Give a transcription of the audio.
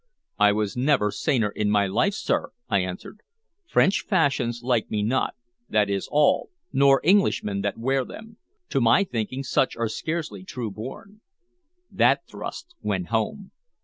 "I was never saner in my life, sir," I answered. "French fashions like me not, that is all, nor Englishmen that wear them. To my thinking such are scarcely true born." That thrust went home.